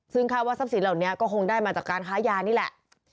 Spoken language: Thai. ซึ่งคาดว่าทรัพย์สินเหล่านี้ก็คงได้มาจากการค้ายานี่แหละ